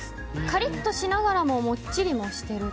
カリッとしながらももっちりとしている。